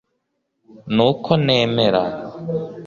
ni uko ntemera